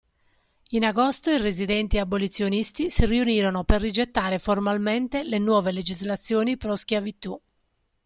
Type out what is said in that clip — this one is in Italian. In agosto i residenti abolizionisti si riunirono per rigettare formalmente le nuove legislazioni pro-schiavitù.